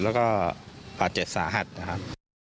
แล้วก็บาดเจ็บสาหัสนะครับ